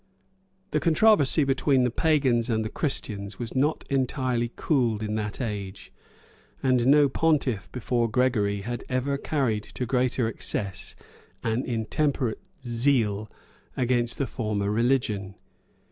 ] The controversy between the pagans and the Christians was not entirely cooled in that age; and no pontiff before Gregory had ever carried to greater excess an intemperate zeal against the former religion.